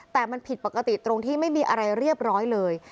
แต่มันผิดปกติตรงที่ไม่มีอะไรเรียบร้อยเลย